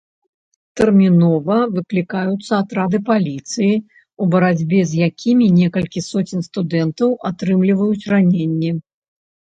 Тэрмінова выклікаюцца атрады паліцыі, у барацьбе з якімі некалькі соцень студэнтаў атрымліваюць раненні.